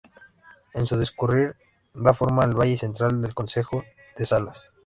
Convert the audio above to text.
En su discurrir da forma al valle central del concejo de Salas.